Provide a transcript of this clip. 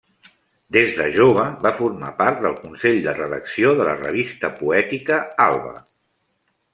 Des de jove va formar part del Consell de Redacció de la revista poètica Alba.